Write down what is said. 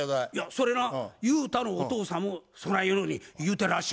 それな勇太のお父さんもそないなように言うてるらしい。